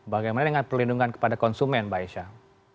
bagaimana dengan perlindungan kepada konsumen mbak aisyah